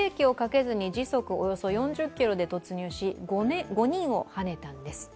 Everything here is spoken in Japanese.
時速およそ４０キロで突入し、５人をはねたんです。